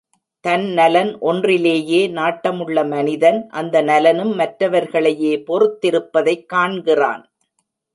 தன் நலன் ஒன்றிலேயே நாட்டமுள்ள மனிதன் அந்த நலனும் மற்றவர்களையே பொறுத்திருப்பதைக் காண்கிறான்.